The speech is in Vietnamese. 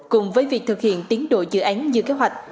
cùng với việc thực hiện tiến độ dự án như kế hoạch